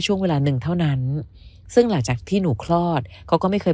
ช่วงเวลาหนึ่งเท่านั้นซึ่งหลังจากที่หนูคลอดเขาก็ไม่เคย